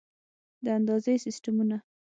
د اندازې سیسټمونه